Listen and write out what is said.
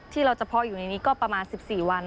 ที่เราเฉพาะอยู่ในนี้ก็ประมาณ๑๔วัน